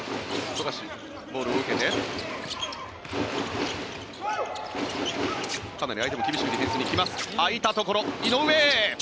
富樫、ボールを受けてかなり相手も厳しくディフェンスに来ます空いたところ、井上！